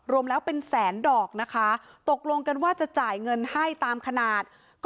รวมแล้วเป็นแสนดอกนะคะตกลงกันว่าจะจ่ายเงินให้ตามขนาดก็